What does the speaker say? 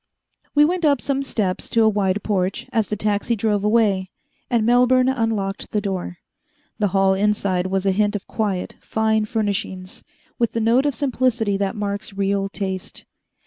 We went up some steps to a wide porch as the taxi drove away, and Melbourne unlocked the door. The hall inside was a hint of quiet, fine furnishings, with the note of simplicity that marks real taste.